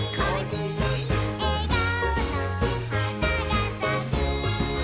「えがおの花がさく」